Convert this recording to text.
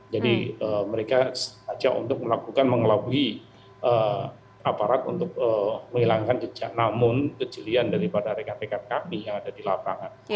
jadi mereka saja untuk melakukan mengelabui aparat untuk menghilangkan jejak namun kecilian daripada rekan rekan kami yang ada di lapangan